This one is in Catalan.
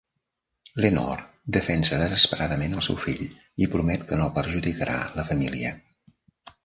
Lenore defensa desesperadament el seu fill i promet que no perjudicarà la família.